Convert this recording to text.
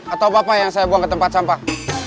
atau bapak yang saya buang ke tempat sampah